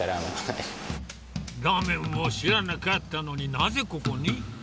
ラーメンを知らなかったのに、なぜここに？